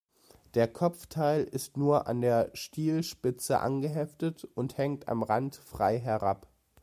Der Kopfteil ist nur an der Stielspitze angeheftet und hängt am Rand frei herab.